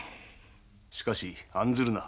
しかし案ずるな。